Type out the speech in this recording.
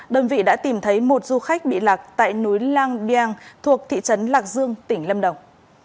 đơn vị đã tìm thấy một du khách bị lạc tại núi lang biang thuộc thị trấn lạc dương tỉnh lâm đồng